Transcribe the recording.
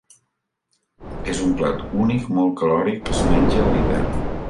És un plat únic molt calòric que es menja a l'hivern.